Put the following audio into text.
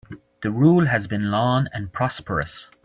The rule has been long and prosperous.